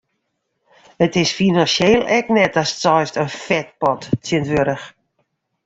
It is finansjeel ek net datst seist in fetpot tsjinwurdich.